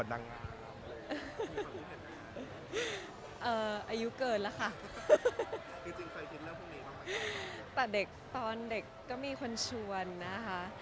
แต่ว่าเด็กต้นเด็กก็ไม่ควรชวนนะคะ